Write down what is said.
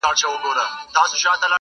چي لیدلی یې مُلا وو په اوبو کي!